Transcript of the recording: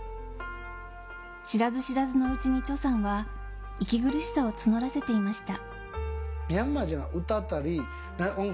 知らず知らずのうちにチョさんは息苦しさを募らせていました。